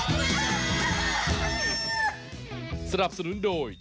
เฮ้ยเฮ้ยเฮ้ยเฮ้ยเฮ้ยเฮ้ยเฮ้ยเฮ้ย